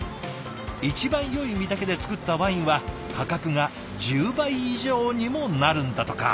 一番よい実だけで造ったワインは価格が１０倍以上にもなるんだとか。